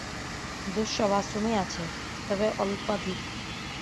দোষ সব আশ্রমেই আছে, তবে অল্পাধিক।